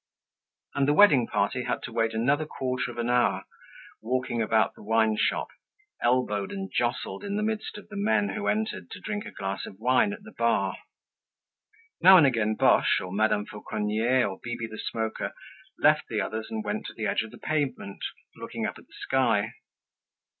And the wedding party had to wait another quarter of an hour, walking about the wineshop, elbowed and jostled in the midst of the men who entered to drink a glass of wine at the bar. Now and again Boche, or Madame Fauconnier, or Bibi the Smoker left the others and went to the edge of the pavement, looking up at the sky.